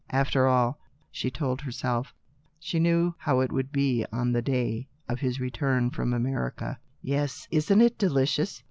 After all, she told herself, she knew how it would be on the day of his return from America. " Yes ; isn't it delicious